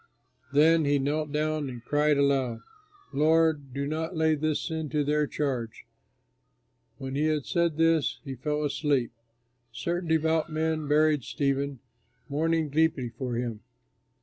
Then he knelt down and cried aloud, "Lord, do not lay this sin to their charge!" When he had said this, he fell asleep. Certain devout men buried Stephen, mourning deeply for him.